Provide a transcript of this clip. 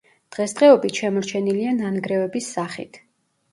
დღესდღეობით შემორჩენილია ნანგრევების სახით.